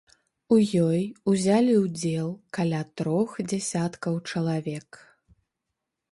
У ёй узялі ўдзел каля трох дзясяткаў чалавек.